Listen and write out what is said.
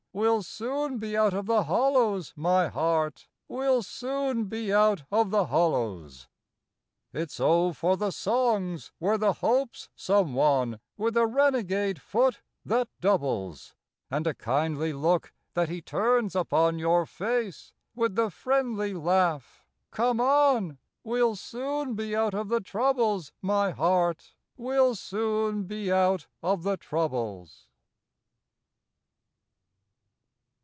We'll soon be out of the hollows, My heart! We'll soon be out of the hollows!" It's Oh, for the songs, where the hope's some one With a renegade foot that doubles! And a kindly look that he turns upon Your face with the friendly laugh, "Come on! We'll soon be out of the troubles, My heart! We'll soon be out of the troubles!"